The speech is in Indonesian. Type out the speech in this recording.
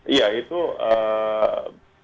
iya itu berkaitan dengan sistem imun